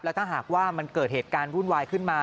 ถ้าหากว่ามันเกิดเหตุการณ์วุ่นวายขึ้นมา